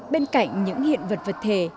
bên cạnh những hiện vật vật thể